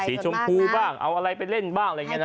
สีชมพูบ้างเอาอะไรไปเล่นบ้างอะไรอย่างนี้นะ